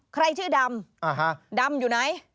ใครชื่อดมดรมอยู่ไหนนะฮะ